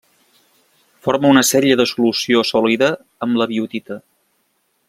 Forma una sèrie de solució sòlida amb la biotita.